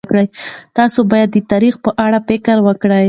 تاسو باید د تاریخ په اړه فکر وکړئ.